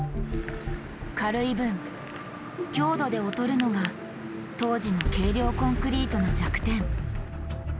軽い分「強度」で劣るのが当時の軽量コンクリートの弱点。